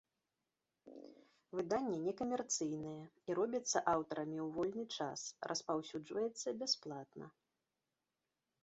Выданне некамерцыйнае, і робіцца аўтарамі ў вольны час, распаўсюджваецца бясплатна.